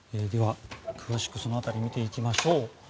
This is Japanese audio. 詳しく、その辺り見ていきましょう。